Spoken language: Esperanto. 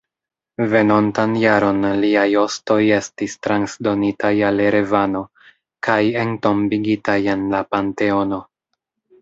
Venontan jaron liaj ostoj estis transdonitaj al Erevano kaj entombigitaj en la Panteono.